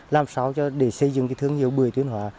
làm sao để xây dựng cái thương hiệu bưởi tuyên hóa